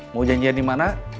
mau janjian dimana